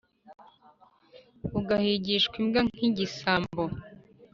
ugahigishwa imbwa nk’igisambo